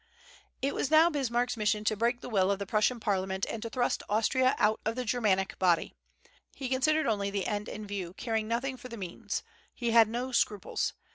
It was now Bismarck's mission to break the will of the Prussian parliament, and to thrust Austria out of the Germanic body. He considered only the end in view, caring nothing for the means: he had no scruples.